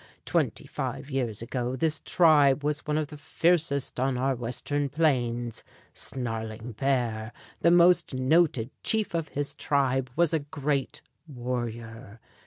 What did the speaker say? Twenty five years ago this tribe was one of the fiercest on our Western plains. Snarling Bear, the most noted chief of his tribe, was a great warrior.